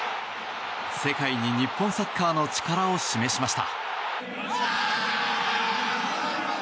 世界に日本サッカーの力を示しました。